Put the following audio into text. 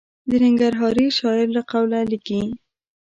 د ننګرهاري شاعر له قوله لیکي.